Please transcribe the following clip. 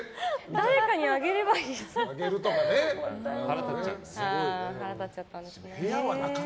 誰かにあげればいいじゃないですか。